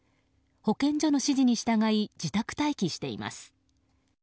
保健所の指示に従い自宅待機しています。